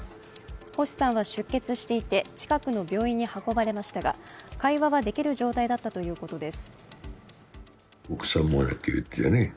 星さんは出血していて、近くの病院に運ばれましたが、会話はできる状態だったということです。